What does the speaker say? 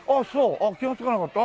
ああ気がつかなかった。